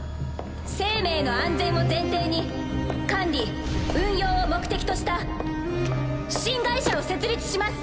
生命の安全を前提に管理運用を目的とした新会社を設立します。